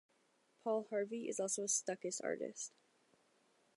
Paul Harvey is also a Stuckist artist.